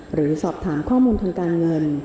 หรือสอบถามข้อมูลทางการเงิน